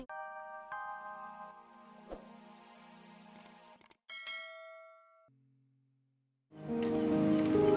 wih mantap banget ya